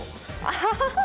ハハハハ！